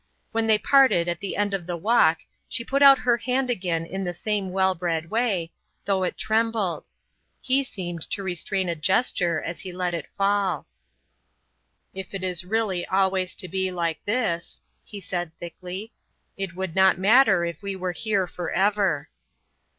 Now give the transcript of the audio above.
When they parted at the head of the walk she put out her hand again in the same well bred way, although it trembled; he seemed to restrain a gesture as he let it fall. "If it is really always to be like this," he said, thickly, "it would not matter if we were here for ever."